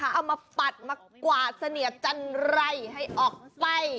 เอามาปัดมากวาดเสนียบจันไร่ให้ออกไส้